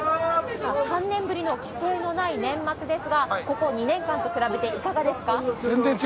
さあ、３年ぶりの規制のない年末ですが、ここ２年間と比べていかがですか？